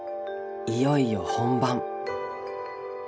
いよいよ本番。